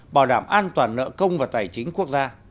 bảo đảm an toàn nợ công và tài chính quốc gia